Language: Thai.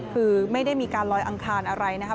คือไม่ได้มีการลอยอังคารอะไรนะคะ